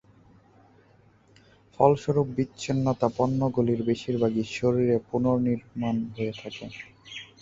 ফলস্বরূপ বিচ্ছিন্নতা পণ্যগুলির বেশিরভাগই শরীরে পুনর্নির্মাণ হয়ে থাকে।